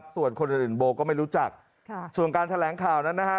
ส่วนคนอื่นโบก็ไม่รู้จักส่วนการแถลงข่าวนั้นนะฮะ